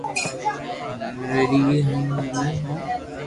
منو ويري گيو ھي تو مني ٺوپ